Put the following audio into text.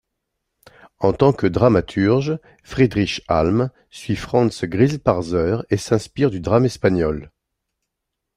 En tant que dramaturge, Friedrich Halm suit Franz Grillparzer et s'inspire du drame espagnol.